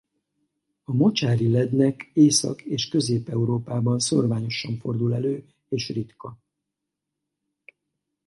A mocsári lednek Észak- és Közép-Európában szórványosan fordul elő és ritka.